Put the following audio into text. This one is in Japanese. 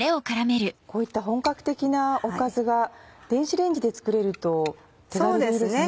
こういった本格的なおかずが電子レンジで作れると手軽でいいですね。